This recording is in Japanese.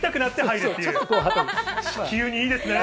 地球にいいですね。